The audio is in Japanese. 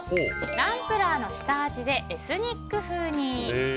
ナンプラーの下味でエスニック風に。